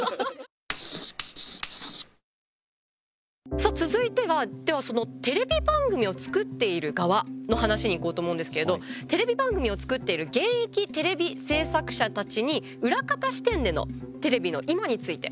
さあ続いてはではそのテレビ番組を作っている側の話にいこうと思うんですけれどテレビ番組を作っている現役テレビ制作者たちに裏方視点でのテレビの今について語ってもらいました。